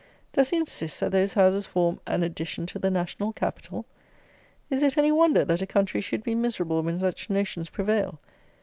Does he insist, that those houses form "an addition to the national capital?" Is it any wonder that a country should be miserable when such notions prevail?